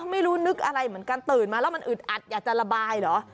ไม่รู้นึกอะไรเหมือนกันตื่นมาแล้วมันอึดอัดอยากจะระบายเหรอ